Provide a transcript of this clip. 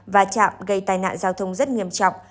và chạm gây tai nạn giao thông rất nghiêm trọng